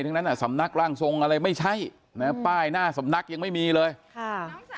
ทั้งนั้นอ่ะสำนักร่างทรงอะไรไม่ใช่นะป้ายหน้าสำนักยังไม่มีเลยค่ะ